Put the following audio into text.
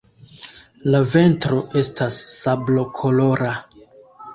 La ventro estas sablokolora.